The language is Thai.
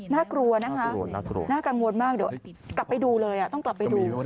น่ากลัวนะคะน่ากังวลมากเดี๋ยวกลับไปดูเลยต้องกลับไปดู